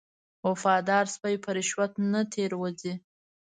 وفادار سپی په رشوت نه تیر وځي.